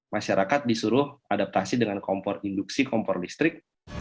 masyarakat disuruh adaptasi dengan kompor induksi kompor listrik